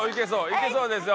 いけそうですよ。